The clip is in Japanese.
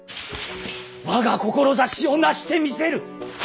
我が志をなしてみせる！